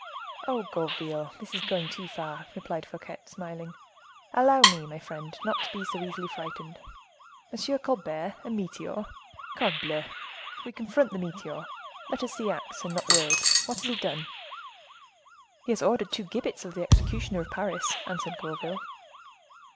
"Oh! Gourville, this is going too far," replied Fouquet, smiling; "allow me, my friend, not to be so easily frightened; M. Colbert a meteor! Corbleu, we confront the meteor. Let us see acts, and not words. What has he done?" "He has ordered two gibbets of the executioner of Paris," answered Gourville.